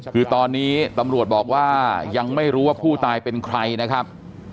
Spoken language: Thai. คือตอนนี้ตำรวจบอกว่ายังไม่รู้ว่าผู้ตายเป็นใครนะครับ